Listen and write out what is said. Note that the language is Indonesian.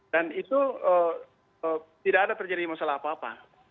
dan itu tidak ada terjadi masalah apa apa